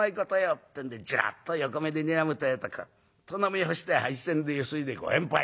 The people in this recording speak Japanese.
ってんでちらっと横目でにらむってえとクッと飲み干して杯洗でゆすいでご返杯。